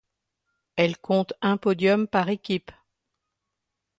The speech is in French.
Elle compte un podium par équipes.